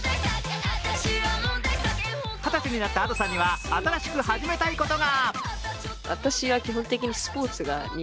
はたちになったＡｄｏさんには新しく始めたいことが。